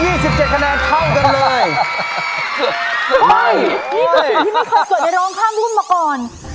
นี่ก็สิทธิ์ที่ไม่เคยเกิดในร้องค่ามุ่มมาก่อน